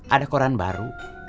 ada koran baru